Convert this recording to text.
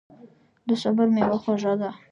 د صبر میوه خوږه ده.